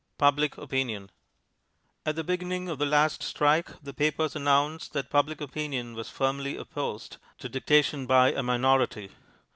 Public Opinion At the beginning of the last strike the papers announced that Public Opinion was firmly opposed to dictation by a minority.